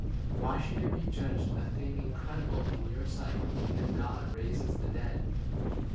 Why should it be judged a thing incredible in your sight if God raises the dead